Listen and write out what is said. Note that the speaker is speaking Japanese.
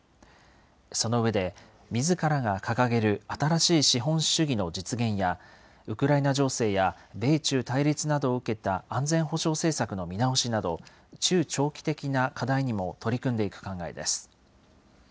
その上で、みずからが掲げる新しい資本主義の実現や、ウクライナ情勢や米中対立などを受けた安全保障政策の見直しなど、中長期的な課題にも取り組んでいく考えです。